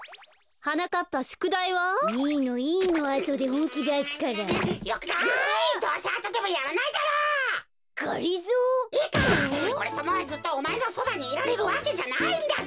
おれさまはずっとおまえのそばにいられるわけじゃないんだぞ。